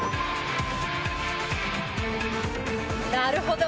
なるほど！